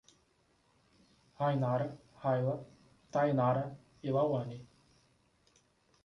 Rainara, Raila, Thaynara e Lauane